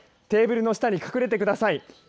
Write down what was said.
テーブルの下に隠れてください。